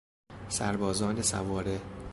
سربازان سواره